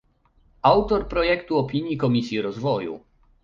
autor projektu opinii Komisji Rozwoju